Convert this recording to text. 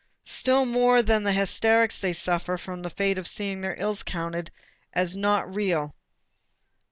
Still more than the hysterics they suffer from the fate of seeing their ills counted as not real.